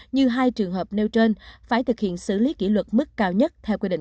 như hai trường hợp nêu trên phải thực hiện xử lý kỷ luật